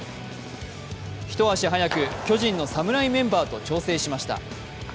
一足早く巨人の侍メンバーと調整しました。